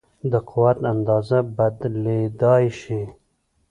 د قوت اندازه بدلېدای شي.